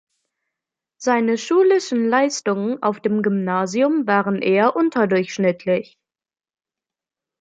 Seine schulischen Leistungen auf dem Gymnasium waren eher unterdurchschnittlich.